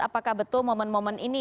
apakah betul momen momen ini